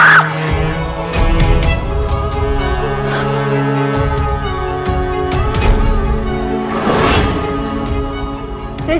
ngapain kamu di sini